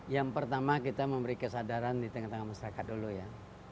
yang pertama kita memberi kesadaran di tengah tengah masyarakat dulu ya